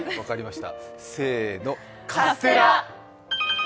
せーの、カステラ！